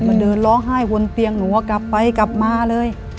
เดินร้องไห้บนเตียงหนูว่ากลับไปกลับมาเลย